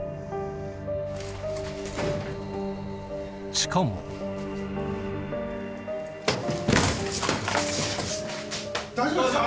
しかも大丈夫？